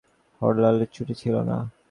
অন্য কেরানিরা বাড়ি গেলেও হরলালের ছুটি ছিল না ।